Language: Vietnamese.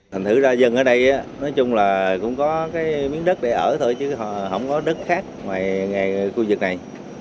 thành thử ra dân ở đây nói chung là cũng có cái miếng đất để ở thôi chứ không có đất khác ngoài khu vực này